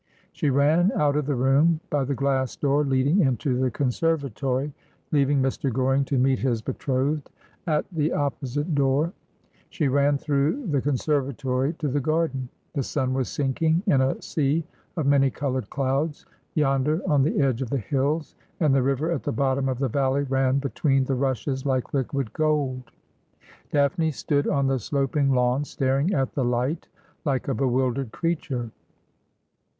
She ran out of the room by the glass door leading into the conservatory, leaving Mr. G oring to meet his betrothed at the opposite door. She ran through the conservatory to the garden. The sun was sinking in a sea of man3' coloured clouds, yonder on the edge of the hills, and the river at the bottom of the valley ran between the rushes like liquid gold. Daphne stood on the sloping lawn staring at the light like a bewildered creature.